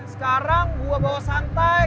sekarang gue bawa santai